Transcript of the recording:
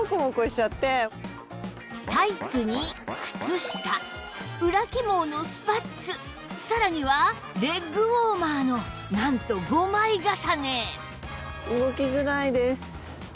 タイツに靴下裏起毛のスパッツさらにはレッグウォーマーのなんと５枚重ね